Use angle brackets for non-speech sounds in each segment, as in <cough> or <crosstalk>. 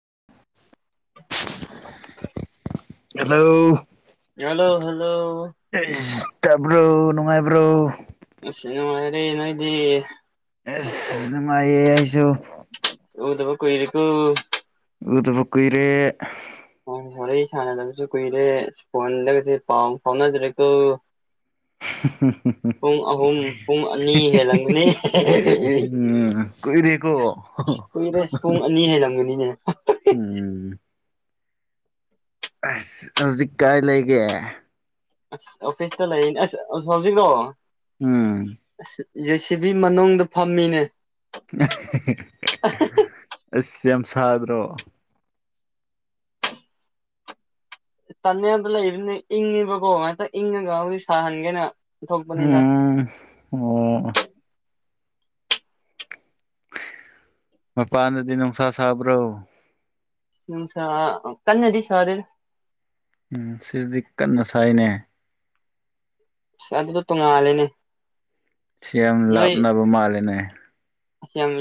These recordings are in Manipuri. <unintelligible> ꯍꯜꯂꯣ ꯍꯂꯣ ꯍꯜꯂꯣ ꯇꯕ꯭ꯔꯣ ꯅꯨꯡꯉꯥꯏꯕ꯭ꯔꯣ ꯅꯅꯨꯡꯉꯔꯦ ꯅꯣꯏꯗꯤ ꯅꯨꯡꯉꯥꯏ ꯑꯩꯁꯨ ꯑꯣꯗꯕ ꯀꯣꯏꯔꯀꯨ ꯎꯗꯨꯄꯈꯣꯏꯔ ꯍꯣꯏ ꯍꯣꯔꯦ ꯁꯥꯟꯅꯗꯕꯁꯨ ꯀꯨꯏꯔꯦ ꯐꯣꯟꯒ ꯄꯥꯎ ꯐꯥꯎꯅꯗ꯭ꯔꯦꯀꯣ <unintelligible> ꯄꯨꯡ ꯑꯍꯨꯝ ꯄꯨꯡ ꯑꯅꯤ ꯍꯦꯜꯂꯝꯒꯅꯤ ꯎꯝ ꯔꯀꯣ ꯀꯨꯏꯔꯦ ꯄꯨꯡ ꯑꯅꯤ ꯍꯦꯜꯂꯝꯒꯅꯤꯅꯦ ꯎꯝ ꯑꯁ ꯍꯧꯖꯤꯛ ꯀꯥꯏ ꯂꯩꯒꯦ ꯑꯁ ꯑꯣꯐꯤꯁꯇ ꯂꯩꯔꯤꯅꯤ ꯑꯁ ꯑ ꯍꯧꯥꯎꯖꯤꯀꯣ ꯎꯝ ꯖꯦ ꯁꯤꯕꯤ ꯃꯅꯨꯡꯗ ꯐꯝꯃꯤꯅꯦ ꯑꯁ ꯌꯥꯝ ꯁꯥꯗ꯭ꯔꯣ ꯇꯅꯦꯜꯗ ꯂꯩꯕꯅꯤꯅ ꯏꯪꯉꯤ ꯕꯀꯣ ꯉꯁꯥꯏ ꯏꯪꯉꯒ ꯍꯧ ꯁꯥꯍꯟꯒꯦꯅ ꯊꯣꯛꯄꯅꯤꯗ ꯎꯝ ꯑꯣ ꯃꯄꯥꯟꯗꯗꯤ ꯅꯨꯡꯁꯥ ꯁꯥꯕ꯭ꯔꯣ ꯅꯨꯡꯁꯥ ꯀꯟꯅꯗꯤ ꯁꯥꯗꯦꯗ ꯎꯝ ꯁꯤꯗꯤ ꯀꯟꯅ ꯁꯥꯏꯅꯦ ꯑꯁ ꯑꯗꯨꯗꯣ ꯇꯣꯡꯉꯥꯂꯦꯅꯦ ꯁꯤ ꯌꯥꯝ ꯂꯥꯞꯅꯕ ꯃꯥꯜꯂꯦꯅꯦ ꯌꯥꯝ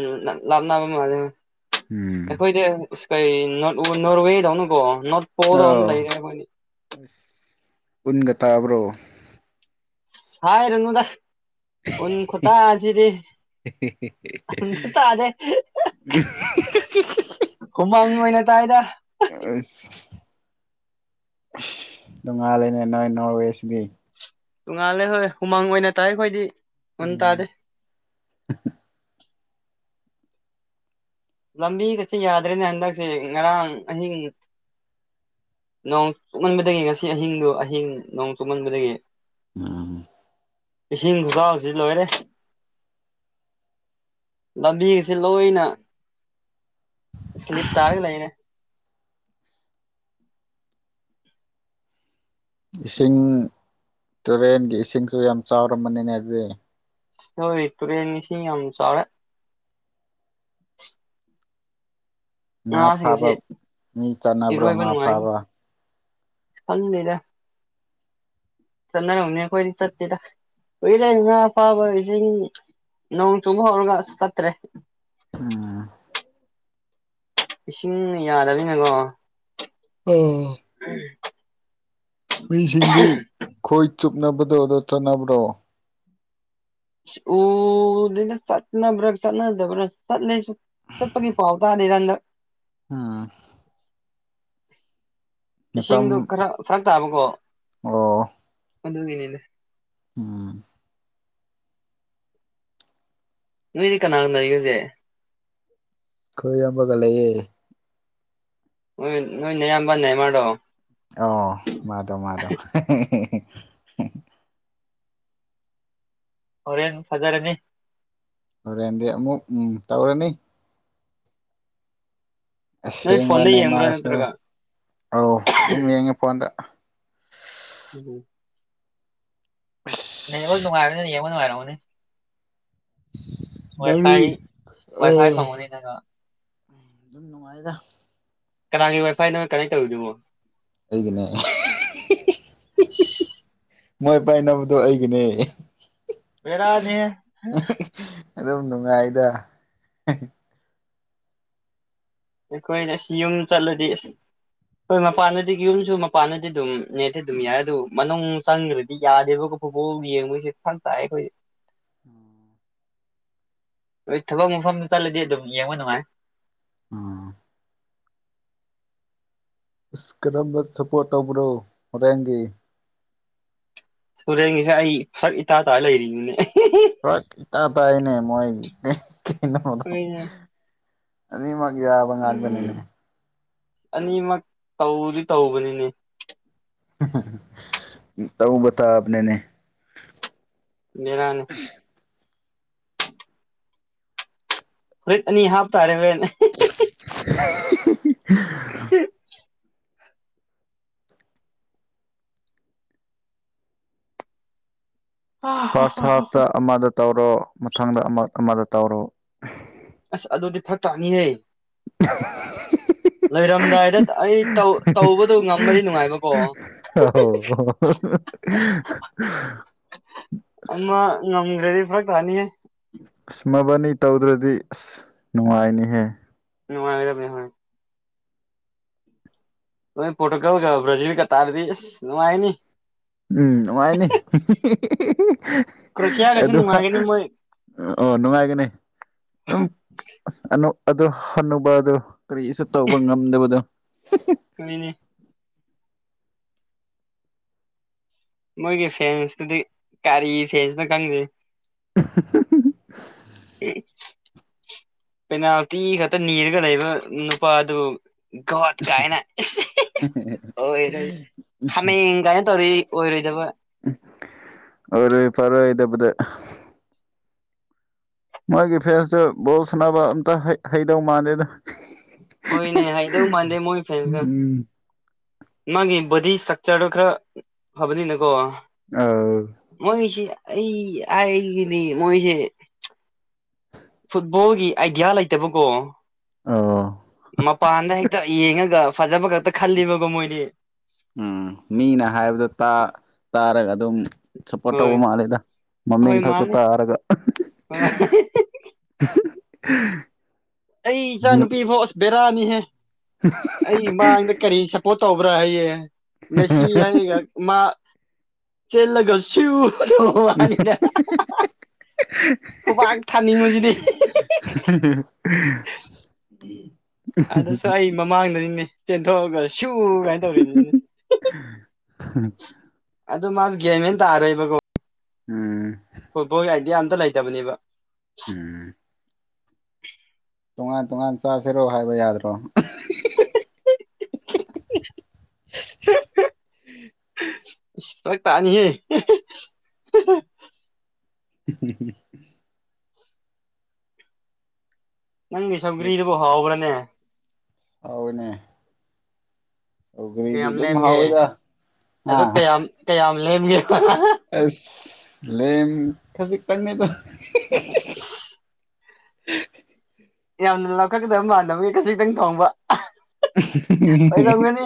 ꯂꯥꯞꯅꯕ ꯃꯥꯜꯂꯦꯅꯦ ꯎꯝ ꯑꯩꯈꯣꯏꯗꯤ ꯀꯩ ꯅꯣꯔꯋꯦꯗꯧꯅ ꯀꯣ ꯅꯣꯔꯠ ꯄꯣꯥꯟꯗꯧꯅ ꯑꯧ ꯂꯩꯔꯦ ꯑꯁ ꯎꯟꯒ ꯇꯥꯕ꯭ꯔꯣ ꯍꯥꯏꯔꯨꯅꯨꯗ ꯎꯟ ꯈꯨꯇꯥꯁꯤꯗꯤ ꯑꯝꯇ ꯇꯥꯗꯦ <unintelligible> ꯈꯨꯃꯪ ꯑꯣꯏꯅ ꯇꯥꯏꯗ ꯑꯁ ꯅꯣꯡꯉꯥꯜꯂꯦꯅꯦ ꯅꯣꯏ ꯅꯣꯔꯋꯦꯁꯤꯗꯤ ꯇꯣꯡꯉꯥꯜꯂꯦ ꯍꯣꯏ ꯍꯨꯃꯥꯡ ꯑꯣꯏꯅ ꯇꯥꯥꯏꯌꯦ ꯈꯣꯏꯗꯤ ꯃꯟ ꯎꯝ ꯇꯥꯗꯦ ꯂꯝꯕꯤꯒꯁꯦ ꯌꯥꯗ꯭ꯔꯦꯅꯦ ꯍꯟꯗꯛꯁꯦ ꯉꯔꯥꯡ ꯑꯍꯤꯡ ꯅꯣꯡ ꯇꯨꯝꯃꯟꯕꯗꯒꯤ ꯉꯁꯤ ꯑꯍꯤꯡꯗꯨ ꯑꯍꯤꯡ ꯅꯣꯡ ꯇꯨꯝꯃꯟꯕꯗꯒꯤ ꯑ ꯏꯁꯤꯡ ꯈꯨꯆꯥꯎꯁꯤ ꯂꯣꯏꯔꯦ ꯂꯝꯕꯤ ꯁꯦ ꯂꯣꯏꯅ ꯏꯁꯂꯤꯞ ꯇꯥꯔꯒ ꯂꯩꯔꯦ ꯏꯁꯤꯡ ꯇꯨꯔꯦꯜ ꯒꯤ ꯏꯁꯤꯡꯁꯨ ꯌꯥꯝ ꯆꯥꯎꯔꯝꯃꯅꯤꯅꯦ ꯑꯗꯨꯗꯤ ꯍꯣꯏ ꯇꯨꯔꯦꯜ ꯏꯁꯤꯡ ꯌꯥꯝ ꯆꯥꯎꯔꯦ ꯉꯥ ꯐꯥꯕ ꯉꯥꯁꯤꯡꯁꯤ ꯃꯤ ꯆꯥꯟꯅꯕ꯭ꯔꯣ ꯏꯔꯣꯏꯕ ꯉꯥ ꯅꯨꯡꯉꯥꯏꯅꯤ ꯐꯥꯕ ꯈꯪꯗꯦꯗ ꯆꯠꯅꯔꯝꯅꯤ ꯑꯩꯈꯣꯏꯗꯤ ꯆꯠꯇꯦꯗ ꯀꯨꯏꯔꯦ ꯉꯥ ꯐꯥꯕꯁꯤ ꯅꯣꯡ ꯆꯨꯕ ꯍꯧꯔꯒ ꯆꯠꯇꯔꯦ ꯎꯝ ꯏꯁꯤꯡ ꯌꯥꯗꯃꯤꯅꯀꯣ ꯑꯣ ꯎꯝ ꯃꯤꯁꯤꯡꯗꯤ ꯈꯣꯏ ꯆꯣꯞꯅꯕꯗꯣ ꯑꯗꯣ ꯆꯠꯅꯕ꯭ꯔꯣ ꯎꯗꯦꯗ ꯆꯠꯅꯕ꯭ꯔ ꯆꯠꯅꯗ꯭ꯔ ꯆꯠꯇꯦ ꯑꯩꯁꯨ ꯆꯠꯄꯒꯤ ꯄꯥꯎ ꯇꯥꯗꯦꯗ ꯍꯟꯗꯛ ꯎꯝ ꯃꯇꯝ ꯏꯁꯤꯡꯗꯣ ꯈꯔ ꯐꯔꯛ ꯇꯥꯕꯀꯣ ꯑꯣ ꯑꯗꯨꯒꯤꯅꯤꯅꯦ ꯎꯝ ꯅꯣꯏꯗꯤ ꯀꯅꯥꯒ ꯂꯩꯒꯦ ꯍꯧꯖꯤꯛ ꯑꯩꯈꯣꯏ ꯏꯌꯥꯝꯕꯒ ꯂꯩꯌꯦ ꯍꯣꯏ ꯅꯣꯏ ꯅꯌꯥꯝꯕ ꯔꯣ ꯑꯣ ꯃꯥꯗꯣ ꯃꯥꯗꯣ ꯍꯣꯔꯦꯟ ꯐꯖꯔꯅꯤ ꯍꯣꯔꯦꯟꯗꯤ ꯑꯃꯨꯛ ꯎꯝ ꯇꯧꯔꯅꯤ ꯅꯣꯏ ꯐꯣꯟꯗ ꯑꯁꯦꯡꯕꯅꯦ ꯌꯦꯡꯕ꯭ꯔꯥ ꯃꯥꯔꯁꯨ ꯅꯠꯇ꯭ꯔꯒ ꯑꯧ ꯑꯗꯨꯝ ꯌꯦꯡꯉꯦ ꯐꯣꯟꯗ ꯎꯝ ꯅꯦꯠꯋꯥꯔꯛ ꯑꯁ ꯅꯨꯡꯉꯥꯏꯕꯅꯤꯅ ꯌꯦꯡꯕ ꯅꯨꯡꯉꯥꯏꯔꯝꯅꯤ ꯅꯪꯗꯤ ꯋꯥꯏꯐꯥꯏ ꯋꯥꯏꯐꯥꯏ ꯑꯥ ꯐꯪꯕꯅꯤꯅꯀꯣ ꯑꯗꯨꯝ ꯅꯨꯡꯉꯥꯏꯗ ꯀꯅꯥꯒꯤ ꯋꯥꯏꯐꯥꯏꯅꯣ ꯅꯣꯏ ꯀꯅꯦꯛ ꯇꯧꯔꯤꯗꯨꯕꯣ ꯑꯩꯒꯤꯅꯦ ꯃꯣꯏ ꯄꯥꯏꯅꯕꯗꯣ ꯑꯩꯒꯤꯅꯦ ꯄꯔꯅꯤ ꯑꯗꯨꯝ ꯅꯨꯡꯉꯥꯏꯗ ꯑꯩꯈꯣꯏꯅ ꯑꯁꯤ ꯌꯨꯝ ꯆꯠꯂꯗꯤ ꯍꯣꯏ ꯃꯄꯥꯟꯗꯗꯤ ꯌꯨꯝꯁꯨ ꯃꯄꯥꯟꯗꯗꯤ ꯑꯗꯨꯝ ꯅꯦꯠꯇ ꯑꯗꯨꯝ ꯌꯥꯏ ꯑꯗꯨ ꯃꯅꯨꯡ ꯆꯪꯈ꯭ꯔꯗꯤ ꯌꯥꯗꯦꯕ ꯌꯦ ꯃꯣꯏꯁꯦ ꯐꯥꯟꯇꯈꯣꯏ ꯍꯣꯏ ꯊꯕꯛ ꯃꯐꯝꯗ ꯆꯠꯂꯗꯤ ꯑꯗꯨꯝ ꯌꯦꯡꯕ ꯅꯨꯡꯉꯥꯏ ꯑ ꯏꯁ ꯀꯔꯝ ꯁꯄꯣ ꯇꯕ꯭ꯔꯣꯔꯦꯡꯒꯦ ꯁꯨꯔꯦꯟꯒꯤꯁꯦ ꯑꯩ ꯐꯔꯛ ꯏꯇꯥꯇꯥ ꯂꯩꯔꯤꯅꯤꯅꯦ ꯏ ꯇꯥ ꯇꯥꯏꯅꯦ ꯃꯣꯏ ꯍꯣꯏꯅꯦ ꯀ ꯅꯤ ꯃꯥꯒ ꯌꯥꯕꯪꯕꯅꯤꯅꯦ ꯑꯅꯤꯃꯛ ꯇꯧꯔꯤ ꯇꯧꯕꯅꯤꯅꯦ ꯇꯧꯕꯊ ꯑꯅꯦꯅꯦ ꯃꯔꯅꯤ ꯐꯨꯔꯤꯠ ꯑꯅꯤ ꯍꯥꯞꯇꯥꯔꯦ ꯍꯦꯅꯦ <unintelligible> ꯎꯝ ꯐꯥꯔꯁ ꯍꯥꯐꯇ ꯑꯃꯗ ꯇꯧꯔꯣ ꯃꯊꯪꯗ ꯑꯃ ꯑꯃꯗ ꯇꯧꯔꯣ ꯐ ꯇꯥꯅꯤ ꯂꯩꯦ ꯂꯩꯣꯏꯔꯝꯗꯥꯏꯗ ꯑꯩ ꯇꯧꯕꯗꯨꯣ ꯉꯃꯗꯤ ꯅꯨꯡꯉꯥꯏꯕꯀꯣ <unintelligible> ꯑꯃ ꯉꯝꯈ꯭ꯔꯦꯗꯤ ꯄꯨꯔꯥ ꯀꯥꯅꯤꯌꯦ ꯏꯁꯃꯕꯅꯤ ꯇꯧꯗ꯭ꯔꯗꯤ ꯑꯁ ꯅꯨꯡꯉꯥꯏꯅꯤꯍꯦ ꯅꯨꯡꯉꯒꯗꯃꯦꯅꯦ ꯍꯣꯏ ꯄꯣꯇꯨꯒꯜ ꯀ ꯭ꯔꯥꯖꯤꯜ ꯀ ꯇꯥꯗꯤꯁ ꯅ ꯍꯥꯏꯅꯤ ꯎꯝ ꯅꯨꯡꯉꯥꯏꯅꯤ ꯀ꯭ꯔꯣꯁꯤꯌꯥꯒꯁꯨ ꯑꯗꯨꯒ ꯅꯨꯡꯉꯥꯏꯒꯅꯤ ꯃꯣꯏ ꯑꯣ ꯅꯨꯡꯉꯥꯏꯒꯅꯤ ꯑꯗꯨꯝ ꯑ ꯑꯗꯨ ꯍꯅꯨꯕ ꯑꯗꯨ ꯀꯔꯤꯁꯨ ꯇꯧꯕ ꯉꯝꯗꯕꯗꯣ ꯀꯅꯦ ꯃꯣꯏꯒꯤ ꯐꯦꯟꯁꯇꯗꯤ ꯀꯔꯤ ꯐꯦꯟꯁꯇ ꯈꯪꯗꯦ <unintelligible> ꯄꯦꯅꯥꯜꯇꯤ ꯈꯛꯇ ꯅꯤꯔꯒ ꯂꯩꯕ ꯅꯨꯄꯥꯗꯨ ꯒꯣꯠ ꯀꯥꯏꯅ ꯑꯣꯏꯣꯏ ꯍꯥꯃꯦꯡ ꯀꯥꯏꯅ ꯇꯧꯔꯤ ꯑꯣꯏꯔꯣꯏꯗꯕ ꯑꯣꯏ ꯄꯔꯋꯥ ꯏꯗ ꯄꯨꯗ ꯃꯥꯣꯏꯒꯤ ꯐꯦꯟꯁꯇ ꯕꯣꯜ ꯁꯥꯟꯅꯕ ꯑꯝꯇ ꯍꯩꯗꯧ ꯃꯥꯜꯂꯦꯗ ꯍꯣꯏꯅꯦ ꯍꯩꯗꯧ ꯃꯥꯟꯗꯦ ꯃꯣꯏ ꯐꯦꯟꯁꯇꯣ ꯎꯝ ꯃꯥꯒꯤ ꯕꯣꯗꯤ ꯏꯁꯇ꯭ꯔꯛꯆꯔꯗꯣ ꯈꯔ ꯐꯕꯅꯤꯅꯀꯣ ꯑꯥꯎ ꯃꯣꯏꯁꯤ ꯑꯩ ꯑꯩꯒꯤꯗꯤ ꯃꯣꯏꯁꯦ ꯐꯨꯠꯕꯣꯜꯒꯤ ꯑꯥꯏꯗꯤꯌꯥ ꯂꯩꯇꯕꯀꯣ ꯑꯣ ꯃꯄꯥꯟꯗ ꯍꯦꯛꯇ ꯌꯦꯡꯉꯒ ꯐꯖꯕ ꯈꯛꯇ ꯈꯜꯂꯤꯕꯀꯣ ꯃꯣꯏꯗꯤ ꯎꯝ ꯃꯤꯅ ꯍꯥꯏꯕꯗ ꯇꯥ ꯇꯥꯔꯒ ꯑꯗꯨꯝ ꯁꯞꯄꯣꯔꯠ ꯍꯣꯏ ꯇꯧꯕ ꯃꯥꯂꯦꯗ ꯃꯃꯤꯡ ꯈꯛꯇ ꯇꯥꯔꯒ ꯑ <unintelligible> ꯑꯩ ꯏꯆꯥ ꯅꯨꯨꯄꯤ ꯐꯥꯎ ꯑꯁ ꯕꯦꯔꯥꯅꯤꯍꯦ ꯑꯩ ꯏꯃꯥꯡꯗ ꯀꯔꯤ ꯁꯞꯄꯣꯔꯠ ꯇꯧꯕ꯭ꯔꯥ ꯍꯥꯏꯌꯦꯦ ꯃꯦꯁꯤ ꯍꯥꯏ ꯃꯥ ꯆꯦꯂꯒꯁꯨ ꯋꯥꯅꯤꯗ ꯈꯨꯕꯥꯛ ꯊꯥꯅꯤꯡꯕꯁꯤꯗꯤ ꯑꯗꯨꯁꯨ ꯑꯩ ꯃꯃꯥꯡꯗꯅꯤꯅꯦ ꯆꯦꯟꯊꯣꯛꯑꯒꯁꯨ ꯁꯨ ꯀꯥꯏꯅ ꯇꯧꯔꯤꯅꯦ ꯑꯗꯨ ꯃꯥꯁ ꯒꯦꯝꯃꯅ ꯇꯥꯔꯛꯏꯕꯀꯣ ꯎꯝ ꯐꯨꯠꯕꯣꯜꯒꯤ ꯑꯥꯏꯗꯤꯌꯥ ꯑꯝꯇ ꯂꯩꯇꯕꯅꯦꯕ ꯎꯝ ꯇꯣꯉꯥꯟ ꯇꯣꯉꯥꯟ ꯆꯥꯁꯤꯔꯣ ꯍꯥꯏꯕ ꯌꯥꯗ꯭ꯔꯣ ꯐꯛ ꯇꯥꯅꯤꯌꯦ <unintelligible> ꯅꯪꯒꯤ ꯁꯝꯒ꯭ꯔꯤꯗꯕꯨ ꯍꯥꯎꯕ꯭ꯔꯅꯦ ꯑꯎꯅꯦ ꯀꯌꯥꯝ ꯂꯦꯝꯒꯦ ꯍꯥꯎꯋꯤꯗ ꯍꯥ ꯑꯗꯨ ꯀꯌꯥꯝ ꯀꯌꯥꯝ ꯂꯦꯝꯒꯦ ꯑꯁ ꯂꯦꯝ ꯈꯁꯤꯛ ꯇꯪ ꯅꯦꯗꯥ ꯌꯥꯝꯅ ꯂꯥꯈꯠꯀꯗꯕ ꯃꯥꯟꯅꯕꯒꯤ ꯈꯖꯤꯛꯇꯪ ꯊꯣꯡꯕ ꯑꯣꯏꯔꯝꯒꯅꯤ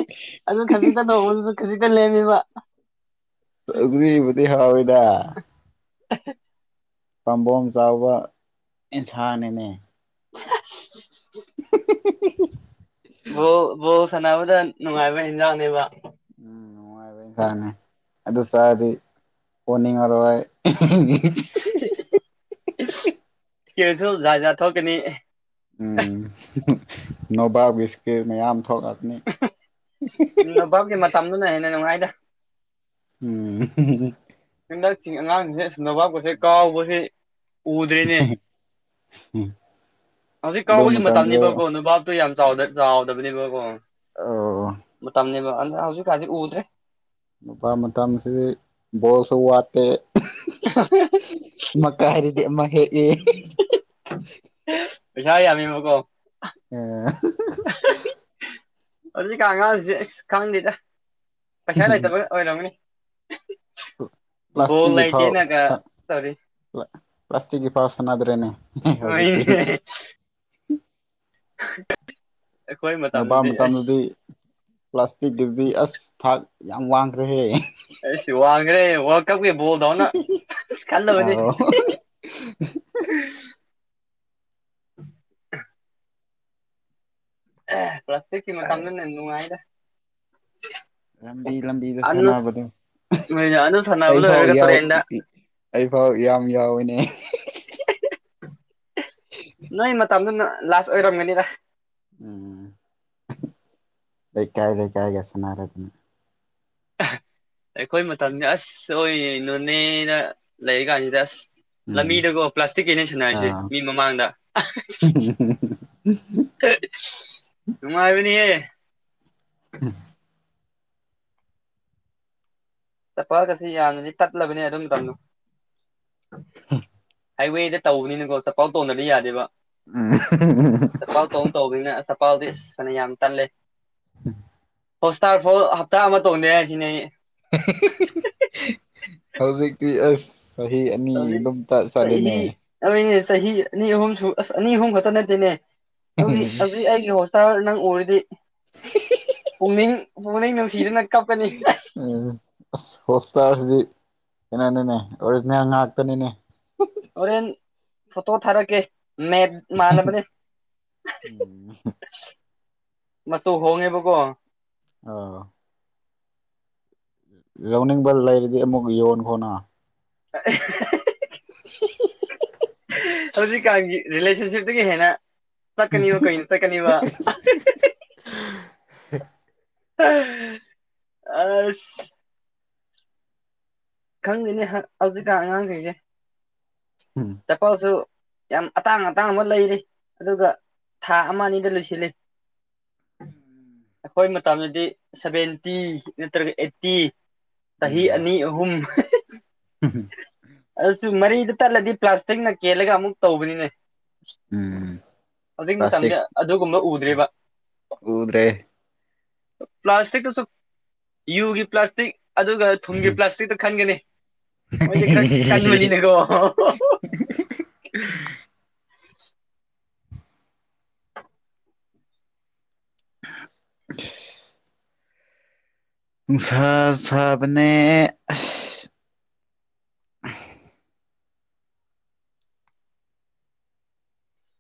ꯑꯗꯨ ꯈꯖꯤꯛꯇ ꯇꯧꯕꯗꯨꯗꯥ ꯈꯖꯤꯛ ꯂꯦꯝꯃꯤꯕ ꯁꯒꯔꯤꯤ ꯍꯥꯋꯥ ꯑꯣꯏꯗ <unintelligible> ꯄꯥꯝꯕꯣꯝ ꯆꯥꯎꯕ ꯏꯟꯁꯥꯅꯤꯅꯦ <unintelligible> ꯕꯣꯜ ꯕꯜ ꯣ ꯁꯥꯟꯅꯕꯗ ꯅꯨꯡꯉꯥꯏꯕ ꯌꯦꯟꯖꯥꯡꯅꯦꯕ ꯎꯝꯅꯨꯡꯥꯏꯕ ꯏꯟꯁꯥꯡꯅꯦ ꯑꯗꯨ ꯑꯗꯨ ꯆꯥꯗꯤ ꯄꯣꯅꯤꯡꯑꯥꯔꯏ ꯀꯁꯨ ꯖꯥꯠ ꯍꯥꯠ ꯊꯣꯛꯀꯅꯤ ꯎꯝ ꯅꯣꯚꯁꯀꯤꯠ ꯃꯌꯥꯝ ꯊꯣꯛꯂꯛ ꯅꯨꯚꯞꯀꯤ ꯃꯇꯝꯗꯨꯅ ꯍꯦꯟꯅ ꯅꯨꯡꯉꯥꯏꯗ ꯎꯝ ꯍꯟꯗꯛ ꯑꯉꯥꯡꯁꯤꯡꯁꯦ ꯁꯨꯝꯗꯕꯄꯠꯁꯦ ꯀꯥꯎꯕꯁꯤ ꯎꯗ꯭ꯔꯦꯅꯦ ꯍꯧꯖꯤꯛ ꯑꯗꯨ ꯀꯥꯎꯕꯒꯤ ꯃꯇꯝꯗꯣ ꯃꯇꯝꯅꯤꯕꯀꯣ ꯅꯨꯕꯥꯥꯞꯇꯣ ꯌꯥꯝ ꯆꯥꯎꯗꯕꯅꯦꯕꯀꯣ ꯑꯧ ꯃꯇꯝꯅꯤꯕ ꯑꯗ ꯍꯧꯖꯤꯛꯀꯖꯤꯛ ꯎꯗ꯭ꯔꯦ ꯅꯨꯄꯥ ꯃꯇꯝꯁꯤ ꯕꯣꯜꯁꯨ ꯋꯥꯠꯇꯦ ꯑꯃꯥ ꯀꯥꯔꯤꯗꯤ ꯑꯃ ꯍꯦꯛ ꯄꯩꯁ ꯌꯥꯝꯃꯀꯣ ꯎꯝ ꯍꯧꯖꯤꯛꯀꯥꯟ ꯑꯉꯥꯡꯁꯤ ꯑꯁ ꯈꯪꯗꯦꯗ ꯄꯩꯁꯥ ꯂꯩꯇꯕ ꯑꯣꯏꯔꯝꯒꯅꯤ ꯕꯣꯜ ꯄ꯭ꯂꯥꯁꯇꯤꯛꯀꯤ ꯐꯥꯎ <unintelligible> ꯂꯩꯇꯦꯅꯒ ꯇꯧꯔꯤ ꯄ꯭ꯂ ꯄ꯭ꯂꯥꯁꯇꯤꯛꯀꯤ ꯄꯥꯎꯁꯅꯗ꯭ꯔꯦꯅꯦ ꯍꯣꯏꯅꯦ ꯍꯧꯖꯤꯀꯤ <unintelligible> ꯅꯣꯕꯥꯞ ꯃꯇꯝꯗꯗꯤ ꯄ꯭ꯂꯥꯁꯇꯤꯛꯀꯤꯗꯨꯗꯤ ꯑꯁ ꯊꯥꯛ ꯌꯥꯝ ꯋꯥꯡꯈ꯭ꯔꯦꯍꯦ ꯑꯦ ꯁꯤ ꯋꯥꯒ꯭ꯔꯦ ꯑꯧ <unintelligible> <unintelligible> ꯑꯦ ꯄ꯭ꯂꯥꯁꯇꯤꯛꯀꯤ ꯃꯇꯝꯗꯅꯦ ꯅꯨꯡꯉꯥꯏꯔꯦ ꯂꯝꯕꯤ ꯂꯝꯕꯤꯗ ꯑꯅꯨꯁ ꯁꯅꯥꯅꯕꯗꯣ ꯑꯅꯨ ꯑꯗꯨ ꯁꯥꯟꯅꯕ ꯑꯩꯐꯥꯎ ꯂꯣꯏꯔꯒ ꯇꯨꯔꯦꯟꯗ ꯑꯩꯐꯥꯎ ꯌꯥꯝ ꯌꯥꯎꯏꯦꯅꯦ ꯅꯣꯏ ꯃꯇꯝꯗꯨ ꯂꯥꯁ ꯑꯣꯏꯔꯝꯒꯅꯤꯗ ꯎꯝ ꯂꯩ ꯀꯥꯏ ꯂꯩ ꯀꯥꯏꯒꯁꯅ ꯑꯗꯨꯅ ꯑꯩꯈꯣꯏ ꯃꯇꯝꯁ ꯑꯁ ꯑꯣꯏꯅꯣꯅꯦꯅ ꯂꯩꯔꯤ ꯀꯥꯟꯁꯤꯗ ꯑꯁ ꯎꯝ ꯂꯝꯕꯤꯗꯀꯣ ꯄ꯭ꯂꯥꯁꯇꯤꯛ ꯀꯩꯅ ꯁꯟꯅꯔꯤꯁꯦ ꯑꯥ ꯃꯤ ꯃꯃꯥꯡꯗ ꯇꯨꯃ ꯍꯥꯏꯕꯤꯅꯤ ꯑꯦ ꯎꯝ ꯆꯠꯄꯒꯁꯤ ꯌꯥꯅꯗꯤ ꯇꯠꯂꯕꯅꯦ ꯑꯗꯨꯝ ꯇꯧꯅꯨ ꯍꯥꯏꯋꯦꯗ ꯇꯧꯕꯅꯤꯅꯀꯣ ꯆꯄꯜ ꯇꯣꯟꯗꯅꯕ ꯌꯥꯗꯦꯕ ꯆꯄꯜ ꯇꯣꯟ ꯇꯧꯕꯅꯤꯅ ꯑ ꯄꯥꯎꯗꯤꯁ ꯐꯅ ꯌꯥꯝ ꯇꯜꯂꯦ ꯍꯣꯁꯇꯥꯔ ꯐꯥꯎ ꯍꯞꯇꯥ ꯑꯃ ꯇꯣꯡꯗꯦ ꯍꯥꯏ ꯁꯤꯅꯦ ꯑꯩ ꯍꯧꯖꯤꯛꯇꯤ ꯑꯁ ꯆꯍꯤ ꯑꯅꯤ ꯍꯧꯖꯤꯛ ꯑꯗꯨꯝ ꯆꯠ ꯆꯠꯂꯦꯅꯦ ꯆꯍꯤ ꯑꯗꯨꯅꯦ ꯆꯍꯤ ꯑꯅꯤ ꯑꯍꯨꯝꯁꯨ ꯑꯁ ꯑꯅꯤ ꯑꯍꯨꯝ ꯈꯛꯇ ꯅꯠꯇꯦꯅꯦ ꯍꯧꯗꯤ ꯍꯧꯛ ꯑꯩꯒꯤ ꯍꯣꯁꯇꯥꯜ ꯅꯪ ꯎꯔꯤ ꯍꯥꯏꯗꯤ ꯄꯨꯛꯅꯤꯡ ꯄꯨꯛꯅꯤꯡ ꯅꯨꯡꯁꯤꯗꯅ ꯀꯞꯄꯅꯤ ꯎꯝ ꯍꯁꯁꯤꯗꯤ ꯀꯩꯅꯅꯤꯅꯦ ꯑꯣꯔꯤꯖꯤꯅꯦꯜ ꯉꯥꯛꯇꯅꯤꯅꯦ ꯍꯣꯔꯦꯟ ꯐꯣꯇꯣ ꯊꯥꯔꯛꯒꯦ ꯃ ꯃꯥꯂꯕꯅꯤ ꯎꯝ ꯃꯆꯨ ꯍꯣꯡꯉꯦꯕꯀꯣ ꯑ ꯂꯧꯅꯤꯡꯕ ꯂꯩꯔꯗꯤ ꯑꯃꯨꯛ ꯌꯣꯟ ꯈꯣꯠꯅ <unintelligible> <unintelligible> ꯍꯧꯖꯤꯛꯀꯥꯟꯒꯤ ꯔꯤꯂꯦꯁꯟꯁꯤꯞꯇꯒꯤ ꯍꯦꯟꯅ ꯇꯀꯅꯤ ꯋꯥ ꯀꯩꯅ ꯇꯀꯅꯤ ꯋꯥ <unintelligible> ꯑꯁ ꯈꯪꯗꯅꯤ ꯍꯧꯖꯤꯛꯀ ꯑꯉꯥꯡꯁꯤꯡꯁꯦ ꯎꯝ ꯆꯐꯁꯨ ꯌꯥꯝ ꯑꯇꯥꯡ ꯑꯇꯥꯡꯕ ꯂꯩꯔꯤ ꯑꯗꯨꯒ ꯊꯥ ꯑꯃ ꯑꯅꯤꯗ ꯂꯣꯏꯁꯤꯜꯂꯤ ꯑꯩꯈꯣꯏ ꯃꯇꯝꯗꯗꯤ ꯁꯚꯦꯟꯇꯤ ꯅꯠꯇ꯭ꯔꯒ ꯑꯩꯠꯇꯤ ꯆꯍꯤ ꯑꯅꯤ ꯎꯝ ꯑꯍꯨꯝ ꯑꯗꯨꯁꯨ ꯃꯔꯤ ꯑꯗꯨ ꯇꯠꯂꯗꯤ ꯄ꯭ꯂꯥꯁꯇꯤꯛꯅ ꯀꯦꯜꯂꯒ ꯑꯃꯨꯛ ꯇꯧꯕꯅꯤꯅꯦ ꯎꯝ ꯍꯧꯖꯤꯛ ꯃꯇꯝꯗꯤ ꯄ꯭ꯂꯥꯁꯇꯤꯛ ꯑꯗꯨꯒꯨꯝꯕ ꯎꯗ꯭ꯦꯔꯤꯕ ꯎꯗ꯭ꯔꯦ ꯄ꯭ꯂꯥꯁꯇꯤꯛꯇꯁꯨ ꯌꯨꯒꯤ ꯄ꯭ꯂꯥꯁꯇꯤꯛ ꯑꯗꯨꯒ ꯊꯨꯝꯒꯤ ꯄ꯭ꯂꯥꯁꯇꯤꯛꯇ ꯊꯥꯡꯒꯦ ꯃꯣꯏꯗꯤ ꯈꯔ ꯀꯟꯃꯅꯤꯅꯀꯣ <unintelligible> ꯅꯨꯡ ꯁꯥ ꯁꯥꯕꯅꯦ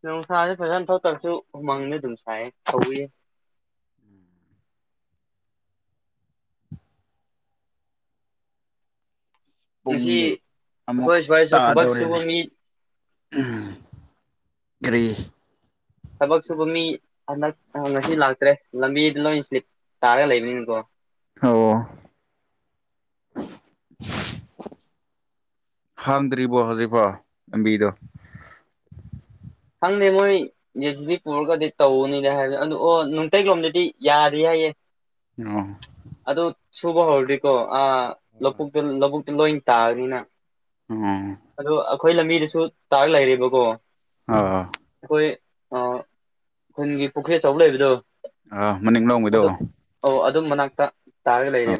ꯅꯁꯦ ꯄꯁ ꯊꯧ ꯇꯁꯨ ꯃꯪꯅꯤ ꯇꯁ ꯀ ꯉꯁꯤ ꯄꯨꯡꯗꯤ ꯑꯃꯨꯛ ꯑꯩꯈꯣꯏ ꯁ꯭ꯋꯥꯏꯁꯨ ꯊꯕꯛ ꯁꯨꯕ ꯇꯥꯗꯧꯔꯤꯦꯅꯦ ꯃꯤ ꯎꯝ ꯀꯔꯤ ꯊꯕꯛ ꯁꯨꯕ ꯃꯤ ꯍꯟꯗꯛ ꯉꯁꯤ ꯂꯥꯛꯇ꯭ꯔꯦ ꯂꯝꯕꯤꯗ ꯂꯣꯏ ꯏꯁꯂꯤꯞ ꯇꯥꯔꯒ ꯂꯩꯕꯅꯤꯀꯣ ꯑꯣ ꯍꯗ꯭ꯔꯤꯕꯣ ꯍꯧꯖꯤꯐꯥꯎ ꯑꯕꯤꯗꯣ ꯈꯪꯗꯦ ꯃꯣꯏ ꯦ ꯁꯤꯗꯤ ꯄꯨꯔꯒꯗꯤ ꯇꯧꯅꯤꯅ ꯍꯥꯏꯕ ꯑꯗꯨ ꯑꯣ ꯅꯨꯡꯇ ꯂꯣꯝꯗꯗꯤ ꯌꯥꯗꯦ ꯍꯥꯏꯌꯦꯦ ꯑ ꯁꯨꯕ ꯍꯧꯔꯗꯤꯀꯣ ꯑ ꯂꯧꯕꯨꯛꯇ ꯂꯧꯕꯨꯛꯇꯨ ꯂꯣꯏ ꯇꯥꯔꯅꯤꯅ ꯎꯝ ꯑꯩꯈꯣꯏ ꯂꯝꯕꯤꯗꯁꯨ ꯇꯥꯛ ꯂꯩꯔꯦꯕꯀꯣ ꯑꯥ ꯑꯩꯈꯣꯏ ꯈꯨꯈꯣꯏꯟꯒꯤ ꯄꯨꯈ꯭ꯔꯤ ꯑꯆꯧꯕ ꯂꯩꯕꯗꯣ ꯑꯥ ꯃꯅꯤꯡꯂꯣꯝꯒꯤꯗꯣ ꯑꯗꯨ ꯑꯣ ꯑꯗꯨꯝ ꯃꯅꯥꯛꯇ ꯇꯥꯔꯒ ꯑ ꯂꯩꯔꯦ꯫